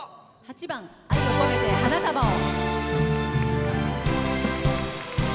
８番「愛をこめて花束を」。